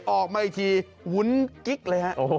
ออกมาอีกทีวุ้นกิ๊กเลยฮะ